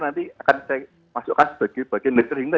nanti akan saya masukkan sebagai nester hingga